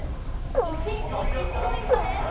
１ポイントです。